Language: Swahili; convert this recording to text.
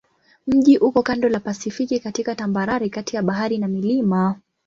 Mji uko kando la Pasifiki katika tambarare kati ya bahari na milima.